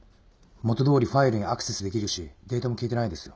元どおりファイルにアクセスできるしデータも消えてないですよ。